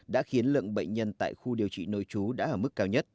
đã khiến lượng bệnh nhân tại khu điều trị nội chú đã ở mức cao nhất